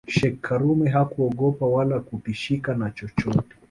Sheikh karume hakuogopa wala kutishika na chochote